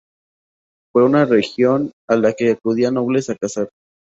Fue una región a la que acudían nobles a cazar.